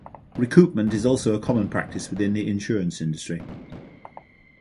Recoupment is also a common practice within the insurance industry.